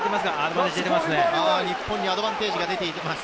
日本にアドバンテージが出ています。